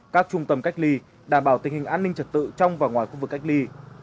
các trung tâm cách ly đảm bảo tình hình an ninh trật tự trong và ngoài khu vực cách ly